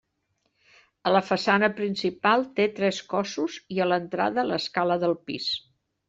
A la façana principal té tres cossos i a l'entrada l'escala del pis.